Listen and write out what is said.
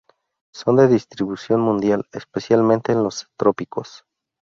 Son de distribución mundial, especialmente en los trópicos.